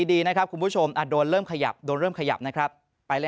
ดีนะครับคุณผู้ชมโดนเริ่มขยับโดนเริ่มขยับนะครับไปแล้ว